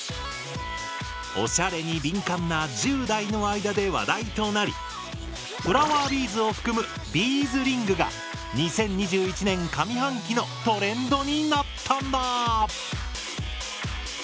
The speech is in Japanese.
おしゃれに敏感な１０代の間で話題となりフラワービーズを含む「ビーズリング」が２０２１年上半期のトレンドになったんだ。